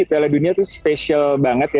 piala dunia itu spesial banget ya